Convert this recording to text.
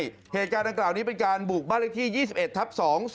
หรือไม่เหตุจารณ์ต่างกล่าวนี้เป็นการบุกบ้านลักษณีย๒๑ทัพ๒๒๐